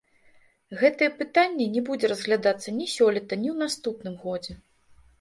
Гэтае пытанне не будзе разглядацца ні сёлета, ні ў наступным годзе.